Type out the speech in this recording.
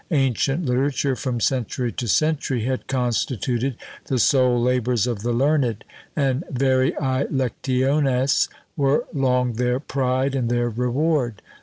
Ancient literature, from century to century, had constituted the sole labours of the learned; and "variÃḊ lectiones" were long their pride and their reward.